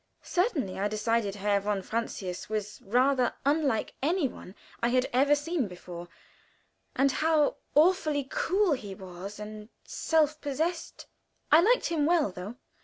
Certainly, I decided, Herr von Francius was quite unlike any one I had ever seen before; and how awfully cool he was and self possessed. I liked him well, though.